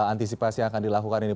antisipasi yang akan dilakukan ini